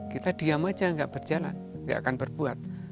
kita diam aja gak berjalan gak akan berbuat